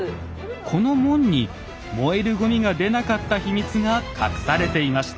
この門に燃えるごみが出なかった秘密が隠されていました。